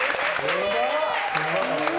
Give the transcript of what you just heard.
すごい！